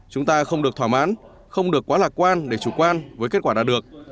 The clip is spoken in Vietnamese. chúng ta không được thỏa mãn không được quá lạc quan để chủ quan với kết quả đạt được